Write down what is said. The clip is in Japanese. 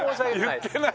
言ってない？